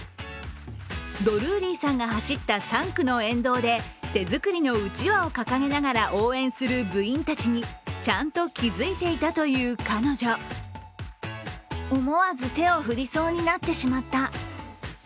ドルーリーさんが走った３区の沿道で手作りのうちわを掲げながら応援する部員たちにちゃんと気付いていたという彼女。とのこと。